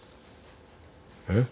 えっ？